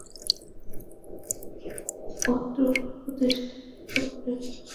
অত্র প্রতিষ্ঠানের বোর্ড পরীক্ষার ফলাফল সন্তোষজনক।